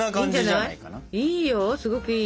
いいよすごくいい！